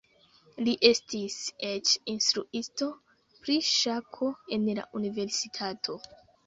Li estis eĉ instruisto pri ŝako en la universitato.